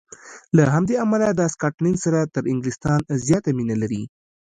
له همدې امله د سکاټلنډ سره تر انګلیستان زیاته مینه لري.